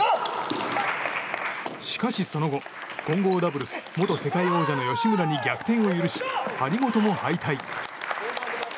しかし、その後混合ダブルス元世界王者の吉村に逆転を許し張本も敗退。